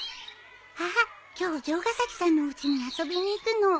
あっ今日城ヶ崎さんのうちに遊びに行くの。